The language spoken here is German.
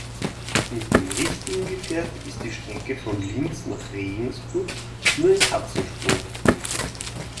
Mit dem richtigen Gefährt ist die Strecke von Linz nach Regensburg nur ein Katzensprung.